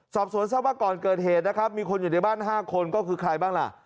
สอบสวนทราบว่าก่อนเกิดเหตุนะครับมีคนอยู่ในบ้าน๕คนก็คือใครบ้างล่ะ